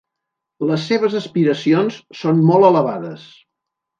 Les seves aspiracions són molt elevades.